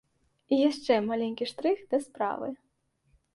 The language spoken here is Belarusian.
І яшчэ маленькі штрых да справы.